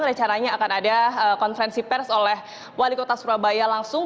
rencananya akan ada konferensi pers oleh wali kota surabaya langsung